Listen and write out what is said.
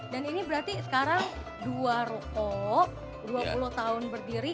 dan ini berarti sekarang dua ruko dua puluh tahun berdiri